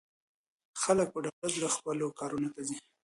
خلک په ډاډه زړه خپلو کارونو ته ځي.